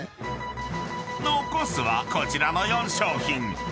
［残すはこちらの４商品］